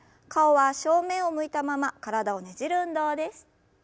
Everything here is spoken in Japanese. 顔は正面を向いたまま体をねじる運動です。